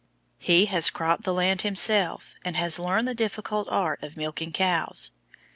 He has cropped the land himself, and has learned the difficult art of milking cows.